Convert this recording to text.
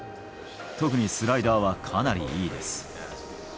特にスライダーはかなりいいです。